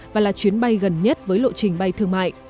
và là chuyến bay gần nhất với lộ trình bay thương mại